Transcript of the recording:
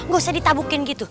gak usah ditabukin gitu